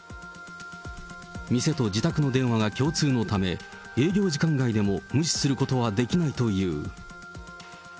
店と自宅の電話が共通のため、営業時間外でも無視することはできないという。